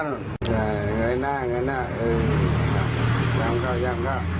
เนิ่นน่ะเออย่ำเข้า